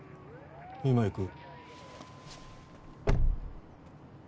今行く。